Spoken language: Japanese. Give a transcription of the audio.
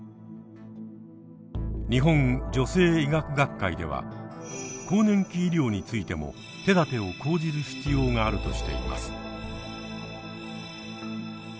日本女性医学学会では更年期医療についても手だてを講じる必要があるとしています。